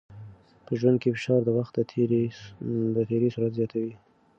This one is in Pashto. په ژوند کې فشار د وخت د تېري سرعت زیاتوي.